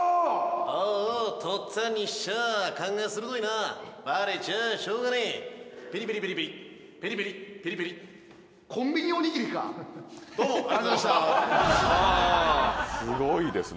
おうおうとっつぁんにしちゃあ勘が鋭いなバレちゃあしょうがねえピリピリピリピリピリピリピリピリコンビニおにぎりかどうもありがとうございましたすごいですね